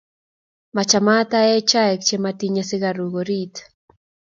machamat aee chaik chemiten sukaruk orit